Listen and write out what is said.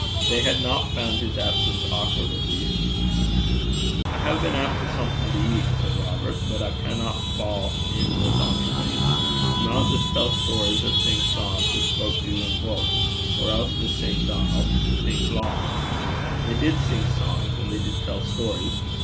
They had not found his absence awkward at least. 'I hae been efter something to eat,' said Robert; 'but I canna fa' in wi' onything. We maun jist tell stories or sing sangs, as fowk do in buiks, or else Miss St. John 'ill think lang.' They did sing songs, and they did tell stories.